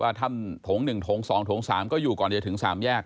ว่าทำโถงหนึ่งโถงสองโถงสามก็อยู่ก่อนจะถึง๓แยก